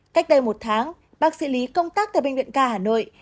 cách đây một tháng bác sĩ lý công tác tại bệnh viện ca hà nội